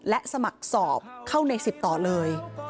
และสมัครสอบเข้าใน๑๐ต่อเลย